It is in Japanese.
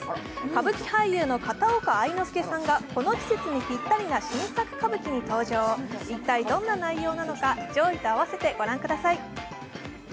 歌舞伎俳優の片岡愛之助さんがこの季節にぴったりな新作歌舞伎に登場、一体どんな内容なのか、上位と合わせて御覧ください。